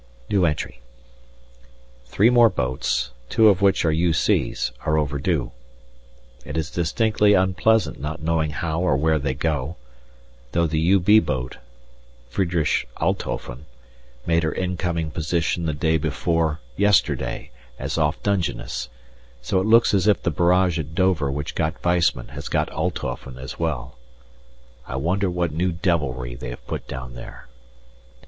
Three more boats, two of which are U.C.'s, are overdue. It is distinctly unpleasant not knowing how or where they go, though the U.B. boat (Friederich Althofen) made her incoming position the day before yesterday as off Dungeness, so it looks as if the barrage at Dover which got Weissman has got Althofen as well. I wonder what new devilry they have put down there.